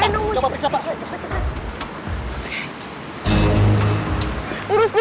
nod coba periksa pak